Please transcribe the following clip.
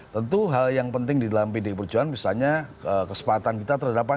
tentu hal yang penting di dalam pdi perjuangan misalnya kesempatan kita terhadap pan